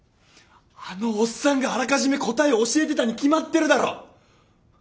あのおっさんがあらかじめ答えを教えてたに決まってるだろ！